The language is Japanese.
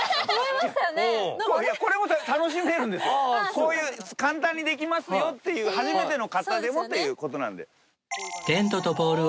こういう簡単にできますよっていう初めての方でもという事なんで。